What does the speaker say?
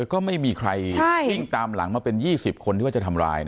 ก็ไม่มีใครวิ่งตามหลังมาเป็น๒๐คนที่ว่าจะทำร้าย